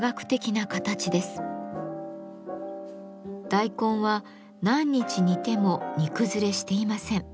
大根は何日煮ても煮崩れしていません。